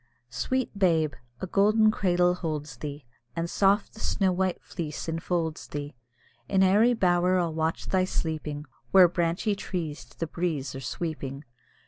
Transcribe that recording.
Sweet babe! a golden cradle holds thee, And soft the snow white fleece enfolds thee; In airy bower I'll watch thy sleeping, Where branchy trees to the breeze are sweeping.